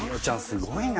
すごいな。